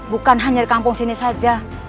bukan hanya di kampung sini saja